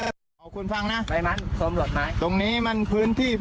จะไปใน